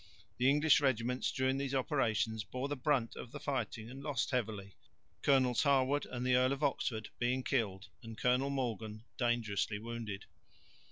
The English regiments during these operations bore the brunt of the fighting and lost heavily, Colonels Harwood and the Earl of Oxford being killed and Colonel Morgan dangerously wounded.